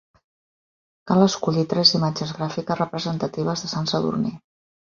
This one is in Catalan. Cal escollir tres imatges gràfiques representatives de Sant Sadurní.